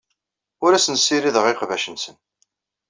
Ur asen-ssirideɣ iqbac-nsen.